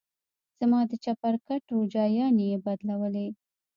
زما د چپرکټ روجايانې يې بدلولې.